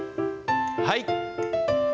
はい。